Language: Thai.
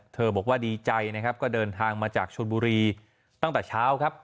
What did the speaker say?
บอกว่าดีใจนะครับก็เดินทางมาจากชนบุรีตั้งแต่เช้าครับ